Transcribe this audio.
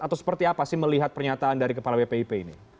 atau seperti apa sih melihat pernyataan dari kepala bpip ini